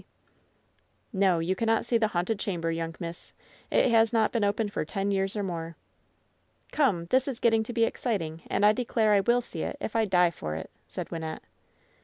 "No, you cannot see the haunted chamber, young miss. It has not been opened for ten years or more." "Come 1 This is getting to be exciting, and I declare I will see it, if I die for it," said Wynnette.